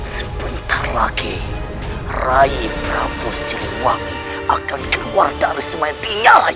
sebentar lagi rayi prabu siliwami akan keluar dari semuanya tinggal lagi